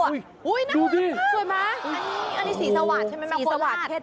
โอ้ยน่ามากค่ะสวยมั้ยอันนี้สีสวาดใช่มั้ยแมวโบราช